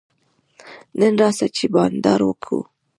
نن راسه چي بانډار وکو.